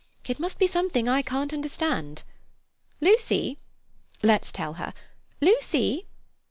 It must be something I can't understand. Lucy! Let's tell her. Lucy!"